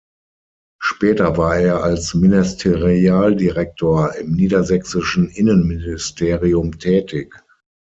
Später war er als Ministerialdirektor im niedersächsischen Innenministerium tätig.